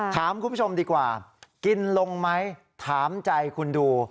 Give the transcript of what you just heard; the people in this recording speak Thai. ถามคุณผู้ชมดีกว่ากินลงไหมถามใจคุณดู